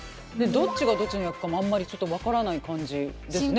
どっちがどっちの役かもあんまりちょっと分からない感じですね